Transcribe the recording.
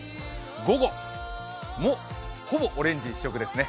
午後もほぼオレンジ一色ですね。